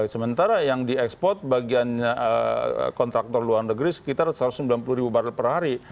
sementara yang diekspor bagian kontraktor luar negeri sekitar satu ratus sembilan puluh ribu barrel per hari